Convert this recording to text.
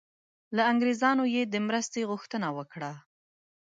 له انګریزانو یې د مرستې غوښتنه وکړه.